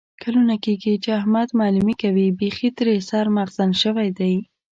کلونه کېږي چې احمد معلیمي کوي. بیخي ترې سر مغزن شوی دی.